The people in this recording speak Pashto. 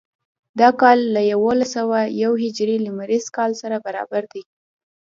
دا کال له یوولس سوه یو هجري لمریز کال سره برابر دی.